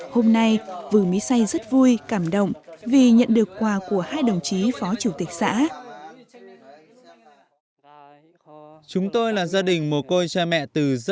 hôm nay vù mỹ say rất vui cảm động vì nhận được quà của hai đồng chí phó chủ tịch xã